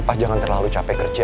oh jangan terlalu capek kerja